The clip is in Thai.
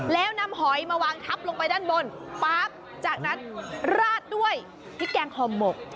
แล้วนำหอยมาวางทับลงไปด้านบนปั๊บจากนั้นราดด้วยพริกแกงห่อหมก